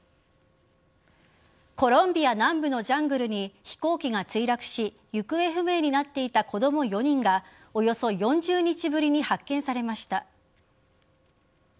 コロンビア南部のジャングルに飛行機が墜落し行方不明になっていた子供４人がおよそ４０日ぶりに発見されました。